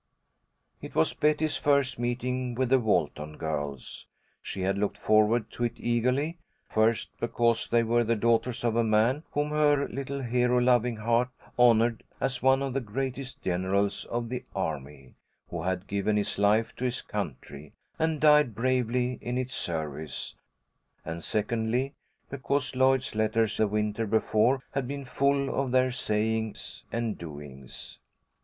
It was Betty's first meeting with the Walton girls. She had looked forward to it eagerly, first because they were the daughters of a man whom her little hero loving heart honoured as one of the greatest generals of the army, who had given his life to his country, and died bravely in its service, and secondly because Lloyd's letters the winter before had been full of their sayings and doings.